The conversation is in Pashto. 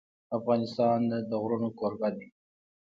افغانستان د غرونه کوربه دی.